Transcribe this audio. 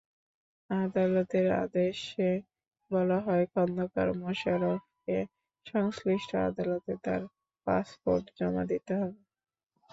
আদালতের আদেশে বলা হয়, খন্দকার মোশাররফকে সংশ্লিষ্ট আদালতে তাঁর পাসপোর্ট জমা দিতে হবে।